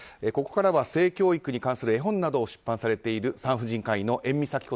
ここからは性教育に関する絵本などを出版されている産婦人科医の遠見才